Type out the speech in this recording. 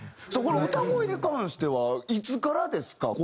この歌声に関してはいつからですか？